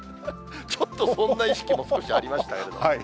ちょっとそんな意識も少しありましたけど。